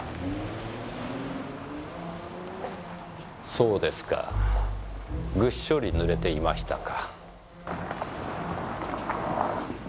そうですかぐっしょり濡れていましたか。